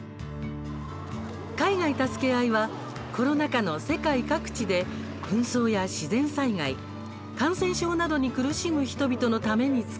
「海外たすけあい」はコロナ禍の世界各地で紛争や自然災害、感染症などに苦しむ人々のために使われます。